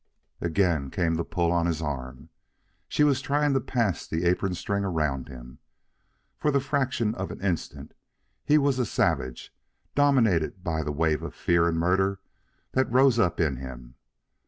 Again came the pull on his arm. She was trying to pass the apron string around him. For the fraction of an instant he was a savage, dominated by the wave of fear and murder that rose up in him.